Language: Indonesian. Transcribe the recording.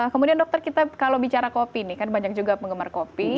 kemudian dokter kita kalau bicara kopi nih kan banyak juga penggemar kopi